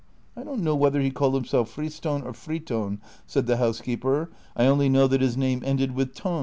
'^ I don't know whether he called himself Friston or Friton," said the housekeeper, '<■ I only know that his name ended with ' ton.'